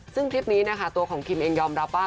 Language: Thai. ซึ่งคลิปนี้นะคะตัวของคิมเองยอมรับว่า